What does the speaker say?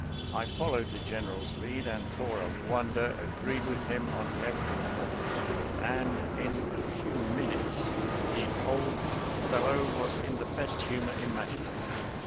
I followed the Gen eral's lead, and for a wonder agreed with him on every point, and in a few minutes the old fellow was in the best humor imaginable.